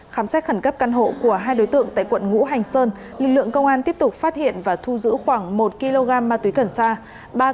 khám xét khẩn cấp căn hộ của hai đối tượng tại quận ngũ hành sơn lực lượng công an tiếp tục phát hiện và thu giữ khoảng một kg ma túy cần sa